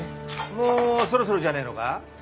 もうそろそろじゃねえのか？